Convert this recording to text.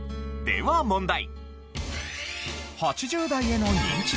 では問題。